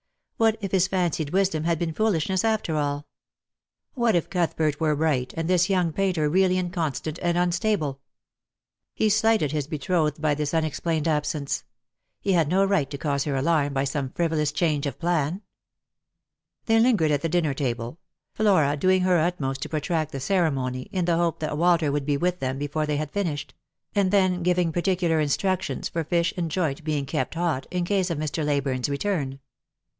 What if his fancied wisdom had been foolishness after all ? What if Cuthbert were right, and this young painter really inconstant and unstable ? He slighted his betrothed by this unexplained absence. He had no right to cause her alarm by some frivolous change of plan. They lingered at the dinner table ; Flora doing her utmost to protract the ceremony, in the hope that Walter would be with them before they had finished ; and then giving particular instructions for fish and joint being kept hot, in case of Mr. Leyburne's return.